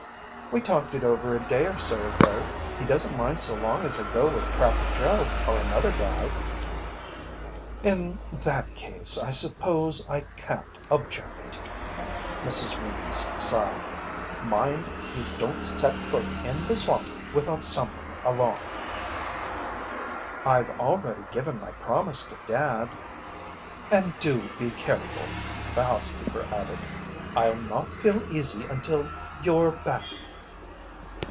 "We talked it over a day or so ago. He doesn't mind so long as I go with Trapper Joe or another guide." "In that case I suppose I can't object," Mrs. Weems sighed. "Mind, you don't set foot in the swamp without someone along!" "I've already given my promise to Dad." "And do be careful," the housekeeper added. "I'll not feel easy until you're back."